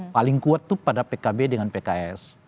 paling kuat itu pada pkb dengan pks